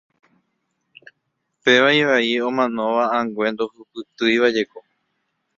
Péva ivai, omanóva angue ndopytu'úivajeko.